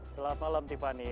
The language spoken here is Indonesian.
selamat malam tiffany